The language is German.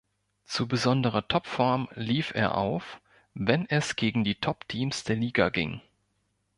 Zu besonderer Topform lief er auf, wenn es gegen die Topteams der Liga ging.